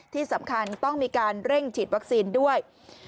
ที่สำคัญต้องมีการเร่งฉีดวัคซีนด้วย